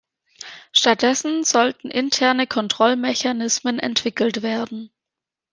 Stattdessen sollten interne Kontrollmechanismen entwickelt werden.